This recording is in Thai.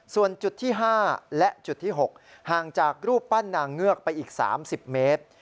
ส่วนจุดที่๕และจุดที่๖ห่างจากรูปปั้นนางเงือกไปอีก๓๐เมตร